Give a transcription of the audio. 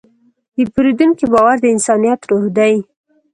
د پیرودونکي باور د انسانیت روح دی.